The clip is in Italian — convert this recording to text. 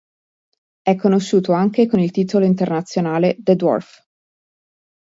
È conosciuto anche con il titolo internazionale "The Dwarf".